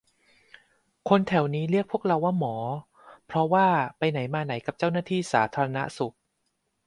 คนแถวนี้เรียกพวกเราว่า 'หมอ' เพราะว่าไปไหนมาไหนกับเจ้าหน้าที่สาธารณสุข